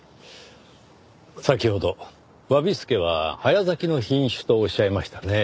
先ほど侘助は早咲きの品種とおっしゃいましたね？